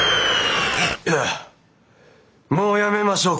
もうやめましょう。